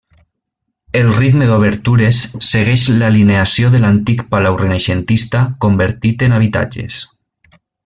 El ritme d'obertures segueix l'alineació de l'antic palau renaixentista convertit en habitatges.